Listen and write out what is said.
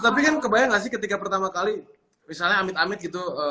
tapi kan kebayang gak sih ketika pertama kali misalnya amit amit gitu